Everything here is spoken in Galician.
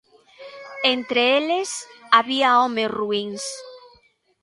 Entre eles había homes ruíns.